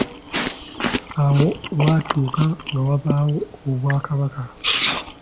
Awo lwatuuka nga wabaawo obwakabaka.